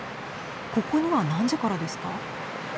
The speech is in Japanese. ここには何時からですか？